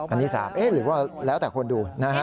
อันนี้๓หรือว่าแล้วแต่คนดูนะฮะ